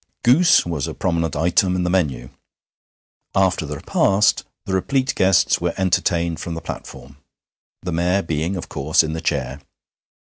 Goose was a prominent item in the menu. After the repast the replete guests were entertained from the platform, the Mayor being, of course, in the chair.